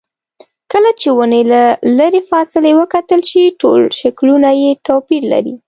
کله چې ونې له لرې فاصلې وکتل شي ټول شکلونه یې توپیر لري.